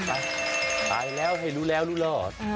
กลายแล้วให้รู้แล้วรู้หลอด